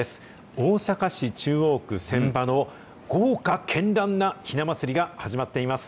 大阪市中央区船場の豪華けんらんなひな祭りが始まっています。